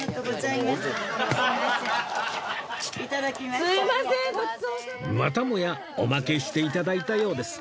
またもやおまけしていただいたようです